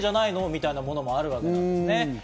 みたいなものもあるわけなんです。